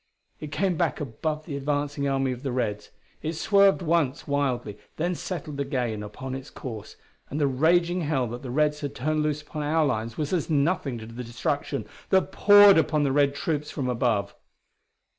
It came back above the advancing army of the Reds. It swerved once wildly, then settled again upon its course, and the raging hell that the Reds had turned loose upon our lines was as nothing to the destruction that poured upon the Red troops from above.